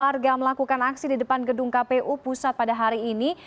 warga melakukan aksi di depan gedung kpu pusat pada hari ini